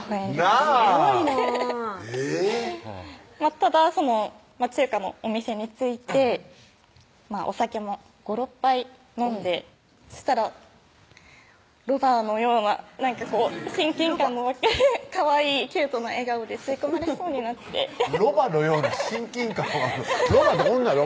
ただその中華のお店に着いてお酒も５６杯飲んでしたらロバのような親近感も湧きかわいいキュートな笑顔で吸い込まれそうになってロバのような親近感湧くロバってこんなんよ